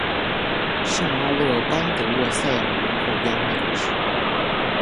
圣阿勒班德沃塞尔人口变化图示